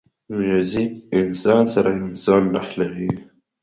موزیک انسان سره انسان نښلوي.